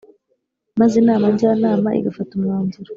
maze Inama Njyanama igafata umwanzuro